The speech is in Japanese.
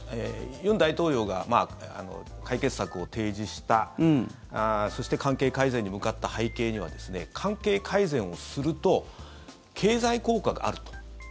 尹大統領が解決策を提示したそして関係改善に向かった背景には関係改善をすると経済効果があると。